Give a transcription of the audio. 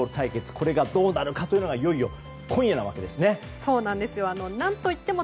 これがどうなるかというのがいよいよ今夜なんですね。